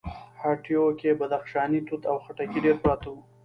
هټيو کې بدخشانی توت او خټکي ډېر پراته وو.